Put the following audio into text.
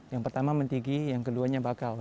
yang pertama mentigi yang keduanya bakal